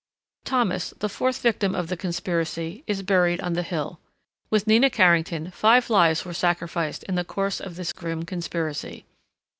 Thomas, the fourth victim of the conspiracy, is buried on the hill. With Nina Carrington, five lives were sacrificed in the course of this grim conspiracy.